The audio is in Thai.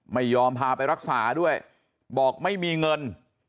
ไม่ยอมพาไปรักษาด้วยบอกไม่มีเงิน